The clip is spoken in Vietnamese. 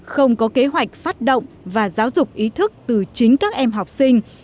không có kế hoạch phát động và giáo dục ý thức từ chính các em học sinh